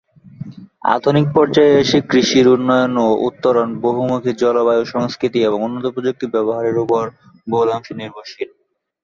আধুনিক পর্যায়ে এসে কৃষির উন্নয়ন ও উত্তরণ বহুমূখী জলবায়ু, সংস্কৃতি এবং উন্নত প্রযুক্তি ব্যবহারের উপর বহুলাংশে নির্ভরশীল।